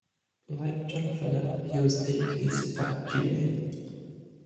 Like John Philip, he was educated at Douai.